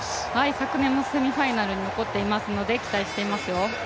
昨年もセミファイナルに残っていますので期待していますよ。